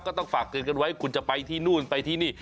ก็ต้องฝากเตือนกันไว้คุณจะไปที่นู่นไปที่นี่